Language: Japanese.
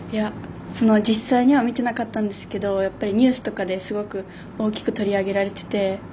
実際には見てなかったんですけどやっぱりニュースとかですごく大きく取り上げられていて。